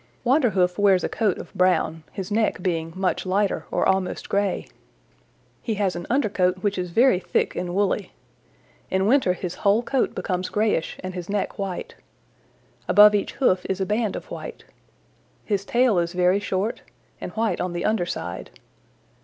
"Wanderhoof wears a coat of brown. His neck being much lighter or almost gray. He has an undercoat which is very thick and woolly. In winter his whole coat becomes grayish and his neck white. Above each hoof is a band of white. His tail is very short, and white on the under side.